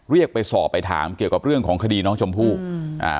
เรียกไปสอบไปถามเกี่ยวกับเรื่องของคดีน้องชมพู่อืมอ่า